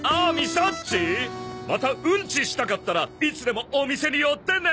さっちまたウンチしたかったらいつでもお店に寄ってね！